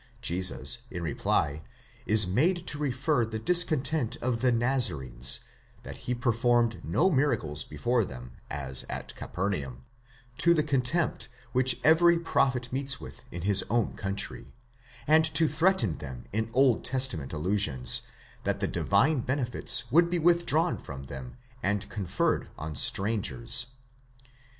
Jesus, in reply, is made to refer the discontent of the Nazarenes, that he performed no miracles before them as at Capernaum, to the contempt which every prophet meets with in his own country, and to threaten them in Old Testament ailusions, that the divine benefits would be withdrawn from them and conferred on strangers.